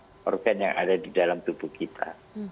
organ yang ada di dalam tubuh kita